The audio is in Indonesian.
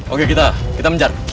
oke kita kita menjar